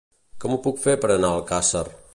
Com ho puc fer per anar a Alcàsser?